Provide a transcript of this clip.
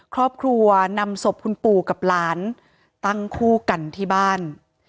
ครอบครัวนำศพคุณปู่กับหลานตั้งคู่กันที่บ้าน